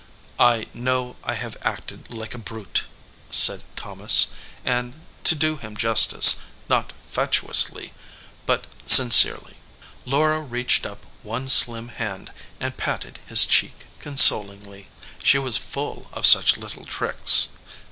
"I know I have acted like a brute," said Thomas, and, to do him justice, not fatuously, but sincerely. Laura reached up one slim hand and patted his cheek consolingly. She was full of such little tricks.